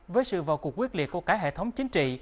với sự vào cuộc quyết liệt của cả hệ thống chính trị